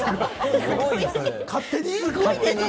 勝手に？